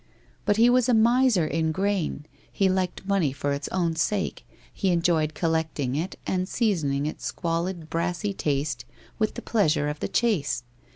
But he was a miser in grain, he liked money for its own sake, he enjoyed collecting it and seasoning its squalid, brassy taste with the pleasure of the chase.